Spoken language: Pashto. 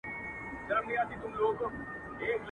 غلبېل کوزې ته ول سورۍ.